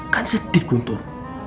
kan sedih guntur